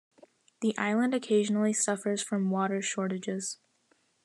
The island occasionally suffers from water shortages.